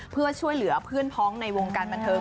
เพื่อช่วยเหลือเพื่อนพ้องในวงการบันเทิง